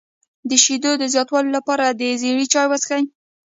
د شیدو د زیاتوالي لپاره د زیرې چای وڅښئ